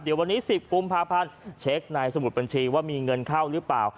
เดี๋ยววันนี้๑๐กุมภาพันธ์เช็คในสมุดบัญชีว่ามีเงินเข้าหรือเปล่า